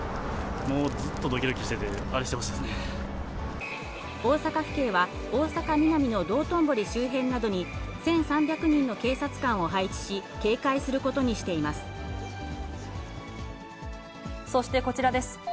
もうずっとどきどきしてて、大阪府警は、大阪・ミナミの道頓堀周辺などに、１３００人の警察官を配置し、警戒することにそして、こちらです。